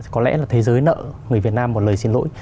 có lẽ là thế giới nợ người việt nam một lời xin lỗi